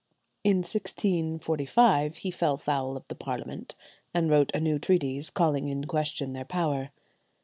In 1645 he fell foul of the Parliament, and wrote a new treatise, calling in question their power.